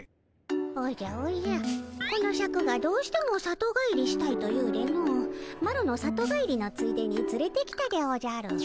おじゃおじゃこのシャクがどうしても里帰りしたいと言うでのマロの里帰りのついでにつれてきたでおじゃる。